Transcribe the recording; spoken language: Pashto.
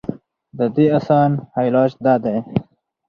د دې اسان علاج دا دے